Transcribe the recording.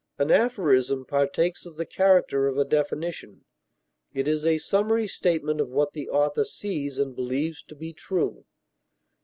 An aphorism partakes of the character of a definition; it is a summary statement of what the author sees and believes to be true.